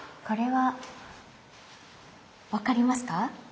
これは分かりますか？